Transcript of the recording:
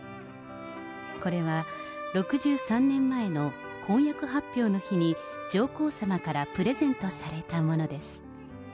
これは６３年前の婚約発表の日に、上皇さまからプレゼントされたものです。